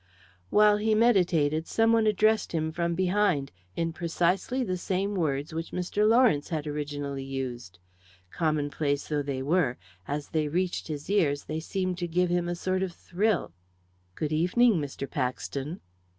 While he meditated some one addressed him from behind, in precisely the same words which Mr. Lawrence had originally used. Commonplace though they were, as they reached his ears they seemed to give him a sort of thrill. "Good evening, Mr. Paxton." Mr.